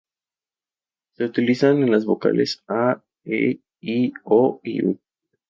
Se utiliza en las vocales "a", "e", "i", "o" y "u".